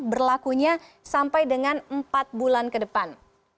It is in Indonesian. berlakunya sampai dengan empat bulan kedepan